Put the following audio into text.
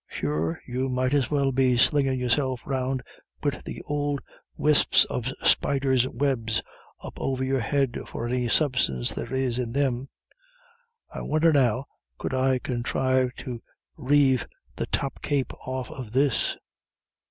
"Sure, you might as well be slingin' yourself round wid the ould wisps of spiders' webs up over your head for any substance there is in thim. I won'er, now, could I conthrive to reive the top cape off of this.